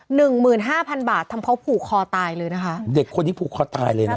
หนึ่งหมื่นห้าพันบาททำเขาผูกคอตายเลยนะคะเด็กคนนี้ผูกคอตายเลยนะ